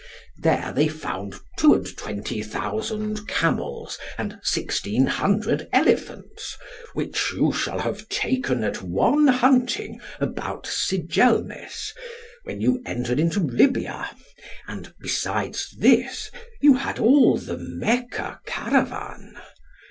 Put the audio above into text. There they found two and twenty thousand camels and sixteen hundred elephants, which you shall have taken at one hunting about Sigelmes, when you entered into Lybia; and, besides this, you had all the Mecca caravan.